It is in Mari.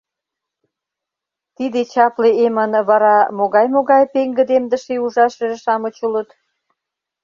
Тиде чапле эмын вара могай-могай пеҥгыдемдыше ужашыже-шамыч улыт?